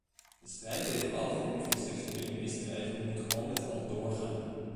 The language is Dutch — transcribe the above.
De strijd tegen alle vormen van seksuele misdrijven moet al met al doorgaan.